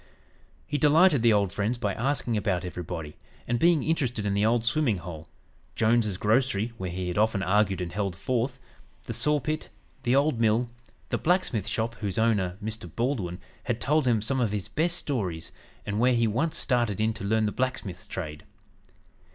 He delighted the old friends by asking about everybody, and being interested in the "old swimming hole," Jones's grocery where he had often argued and "held forth," the saw pit, the old mill, the blacksmith shop, whose owner, Mr. Baldwin, had told him some of his best stories, and where he once started in to learn the blacksmith's trade.